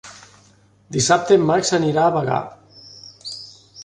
Dissabte en Max anirà a Bagà.